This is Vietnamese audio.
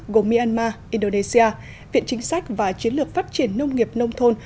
gồm myanmar indonesia viện chính sách và chiến lược phát triển nông nghiệp nông thôn